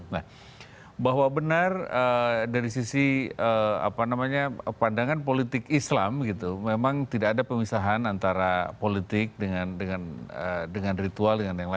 nah bahwa benar dari sisi pandangan politik islam gitu memang tidak ada pemisahan antara politik dengan ritual dengan yang lain